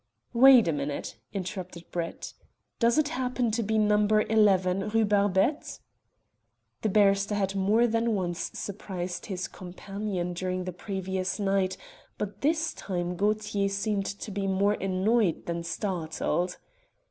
"Wait a minute," interrupted Brett. "Does it happen to be No. 11, Rue Barbette?" The barrister had more than once surprised his companion during the previous night, but this time Gaultier seemed to be more annoyed than startled.